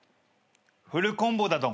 フルコンボだドン。